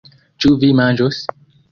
Ĉu vi manĝos?